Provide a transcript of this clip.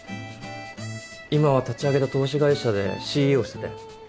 今は立ち上げた投資会社でＣＥＯしてて。